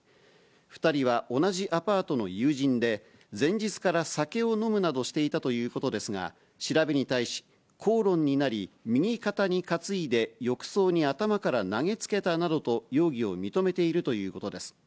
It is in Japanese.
２人は同じアパートの友人で、前日から酒を飲むなどしていたということですが、調べに対し、口論になり、右肩に担いで、浴槽に頭から投げつけたなどと、容疑を認めているということです。